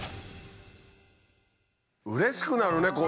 うれしくなるね！